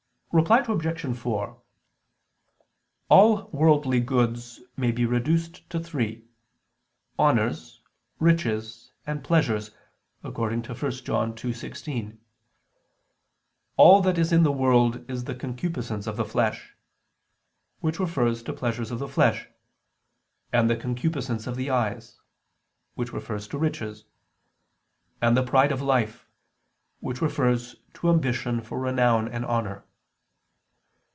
Reply Obj. 4: All worldly goods may be reduced to three honors, riches, and pleasures; according to 1 John 2:16: "All that is in the world is the concupiscence of the flesh," which refers to pleasures of the flesh, "and the concupiscence of the eyes," which refers to riches, "and the pride of life," which refers to ambition for renown and honor.